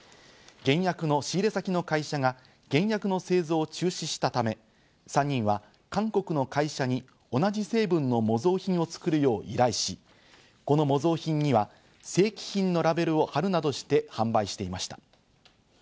原薬の仕入れ先の会社が原薬の製造を中止したため、３人は韓国の会社に同じ成分の模造品を作るよう依頼し、この模造品には正規品のラベルを貼るなどして販売していました。